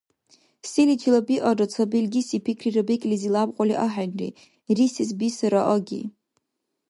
Селичила биалра ца белгиси пикрира бекӀлизи лябкьули ахӀенри. Рисес бисара аги.